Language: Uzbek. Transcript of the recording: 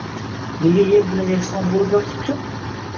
Nega yer bilan yakson bo‘lib yotibdi?